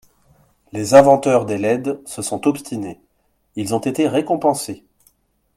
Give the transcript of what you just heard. Les inventeurs des LED se sont obstinés, ils ont été récompensés.